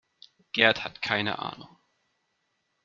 Gerd hat keine Ahnung.